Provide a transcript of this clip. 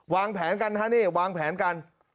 วางแผนกันฮะนี่วางแผนกัน